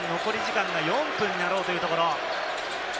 試合時間、残り時間が４分になろうというところ。